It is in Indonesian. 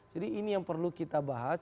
jadi ini yang perlu kita bahas